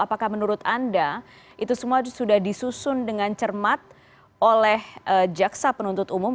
apakah menurut anda itu semua sudah disusun dengan cermat oleh jaksa penuntut umum